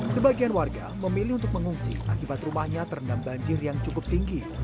sebagian warga memilih untuk mengungsi akibat rumahnya terendam banjir yang cukup tinggi